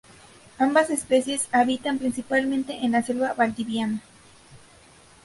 Ambas especies habitan principalmente en la selva valdiviana.